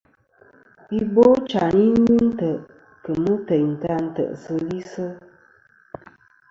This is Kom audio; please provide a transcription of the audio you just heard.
Ibochayn i ghɨ ntè' kemɨ teyn ta tɨsilisɨ.